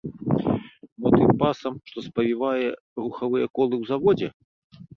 Мо тым пасам, што спавівае рухавыя колы ў заводзе?